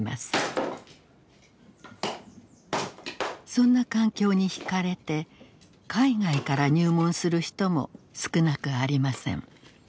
そんな環境にひかれて海外から入門する人も少なくありません。